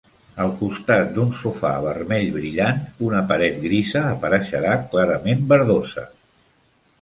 Al costat d'un sofà vermell brillant, una paret grisa apareixerà clarament verdosa.